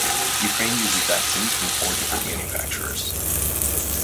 Ukraine uses vaccines from four different manufacturers.